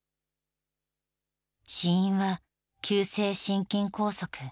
死因は急性心筋梗塞。